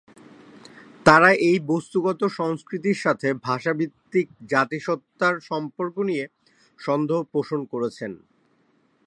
তারা এই বস্তুগত সংস্কৃতির সাথে ভাষাভিত্তিক জাতিসত্তার সম্পর্ক নিয়ে সন্দেহ পোষণ করেছেন।